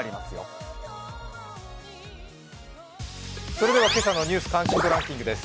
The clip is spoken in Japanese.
それでは今朝の「ニュース関心度ランキング」です。